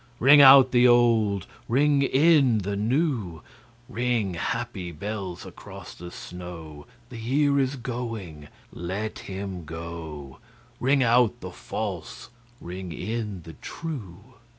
Ring out the old, ring in the new, Ring, happy bells, across the snow: The year is going, let him go; Ring out the false, ring in the true.